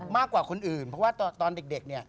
มากกว่าคนอื่นเพราะว่าตอนเด็กเนี่ย